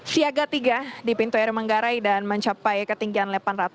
siaga tiga di pinto air menggarai dan mencapai ketinggian delapan ratus tiga puluh